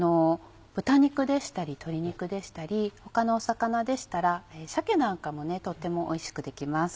豚肉でしたり鶏肉でしたり他の魚でしたら鮭なんかもとてもおいしくできます。